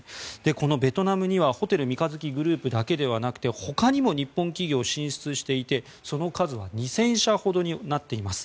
このベトナムにはホテル三日月グループだけではなくてほかにも日本企業が進出していてその数は２０００社ほどになっています。